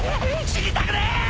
死にたくねえ！